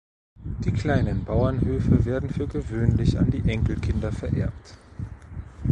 Die kleinen Bauernhöfe werden für gewöhnlich an die Enkelkinder vererbt.